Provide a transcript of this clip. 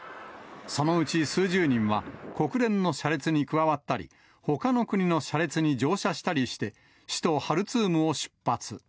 そのうち数十人は、国連の車列に加わったり、ほかの国の車列に乗車したりして、首都ハルツームを出発。